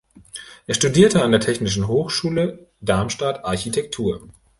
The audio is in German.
Er studierte an der Technischen Hochschule Darmstadt Architektur.